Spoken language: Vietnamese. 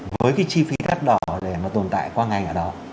với cái chi phí đắt đỏ để mà tồn tại qua ngành ở đó